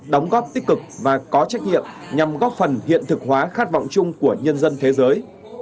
đóng góp tích cực và có trách nhiệm nhằm góp phần hiện thực hóa khát vọng chung của nhân dân thế giới